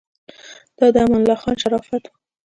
دا د امان الله خان شرافت و.